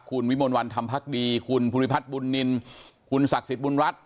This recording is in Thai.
คุณวิมลวันธรรมพักดีคุณภูริพัฒน์บุญนินคุณศักดิ์สิทธิบุญรัฐ